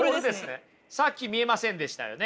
さっき見えませんでしたよね。